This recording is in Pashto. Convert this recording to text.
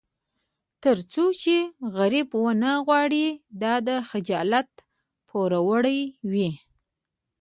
تر څو چې غرب ونه غواړي دا د خجالت پرپړه وي.